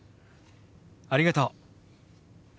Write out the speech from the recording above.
ありがとう。